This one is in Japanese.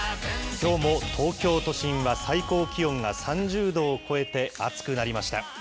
きょうも東京都心は最高気温が３０度を超えて暑くなりました。